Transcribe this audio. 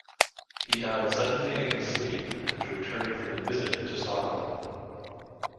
He died suddenly in his sleep after returning from a visit to Stockholm.